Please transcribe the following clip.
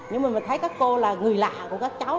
nhưng mà mình thấy các cô là người lạ của các cháu